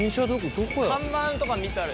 看板とか見たら。